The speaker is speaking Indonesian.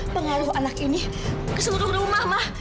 pengaruh anak ini ke seluruh rumah mah